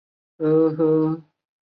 里巴尔鲁伊。